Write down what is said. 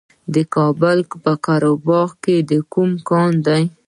د کابل په قره باغ کې کوم کانونه دي؟